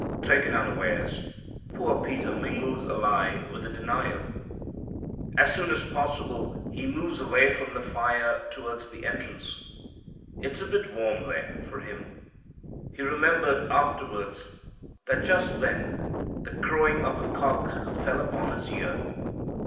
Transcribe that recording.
Taken unawares, poor Peter mingles a lie with the denial. As soon as possible he moves away from the fire toward the entrance. It's a bit warm there for him. He remembered afterwards that just then the crowing of a cock fell upon his ear.